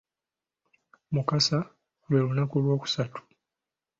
Mukasa lwe lunaku olwokusatu